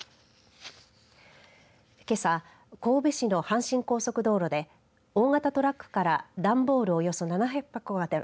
けさ、神戸市の阪神高速道路で大型トラックから段ボール